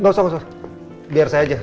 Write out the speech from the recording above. gak usah biar saya aja